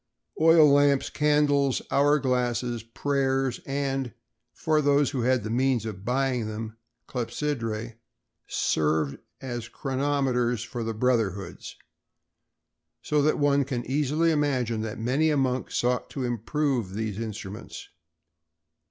Oil lamps, candles, hour glasses, prayers and—for those who had the means of buying them—clepsydræ served as chronometers for the brotherhoods; so that one can easily imagine that many a monk sought to improve these instruments.